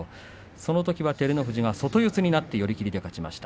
そのときは照ノ富士外四つになって寄り切りで勝っています。